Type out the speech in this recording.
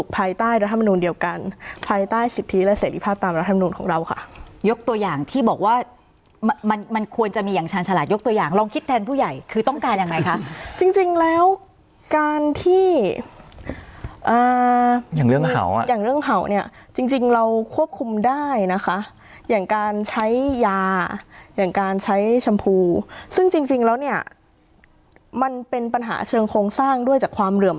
ภายใต้สิทธิและเสร็จภาพตามระทรวงศึกษาของเราค่ะยกตัวอย่างที่บอกว่ามันมันควรจะมีอย่างชาญฉลาดยกตัวอย่างลองคิดแทนผู้ใหญ่คือต้องการยังไงคะจริงจริงแล้วการที่อ่าอย่างเรื่องเหาอ่ะอย่างเรื่องเหาเนี้ยจริงจริงเราควบคุมได้นะคะอย่างการใช้ยาอย่างการใช้ชมพูซึ่งจริงจริงแล้วเนี้ยมันเป็นปัญหา